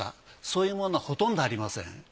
そういうものはほとんどありません。